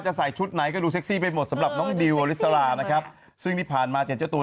จะใส่ชุดไหนก็ดูซิคซี่ไปหมดสำหรับน้องดิวเอลิซาลาซึ่งที่ผ่านมาเจนเจ้าตัวใน